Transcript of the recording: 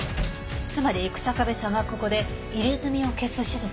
つまり日下部さんはここで入れ墨を消す手術をしていた。